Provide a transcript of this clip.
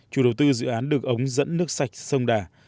chủ đầu tư dự án được ống dẫn nước sạch sông đà